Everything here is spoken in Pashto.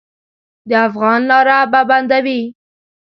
د افغان لاره به بندوي.